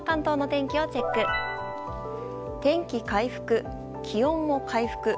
天気回復、気温も回復。